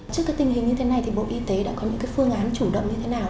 trước tình hình như thế này bộ y tế đã có những phương án chủ động như thế nào